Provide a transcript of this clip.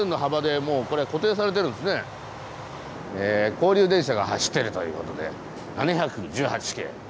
交流電車が走ってるという事で７１８系。